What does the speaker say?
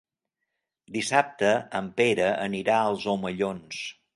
Dissabte en Pere anirà als Omellons.